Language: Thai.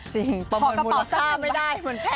จริงประเมินมูลค่าไม่ได้